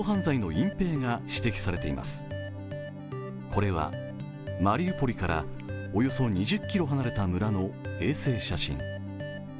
これは、マリウポリからおよそ２０ｋｍ離れた村の衛星写真。